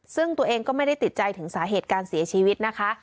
ซึ่งตัวเองก็ไม่ได้ติดใจถึงสาเหตุการเสียชีวิตนะคะ